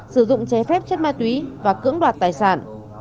sử dụng trái phép chất ma túy và cưỡng đoạt tài sản